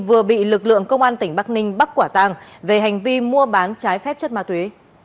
vừa bị lực lượng công an tỉnh bắc ninh bắt quả tàng về hành vi mua bán trái phép chất ma túy